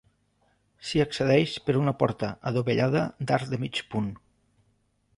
S'hi accedeix per una porta adovellada d'arc de mig punt.